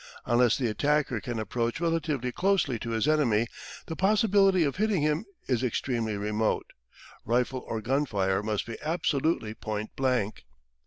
Unless the attacker can approach relatively closely to his enemy the possibility of hitting him is extremely remote. Rifle or gun fire must be absolutely point blank.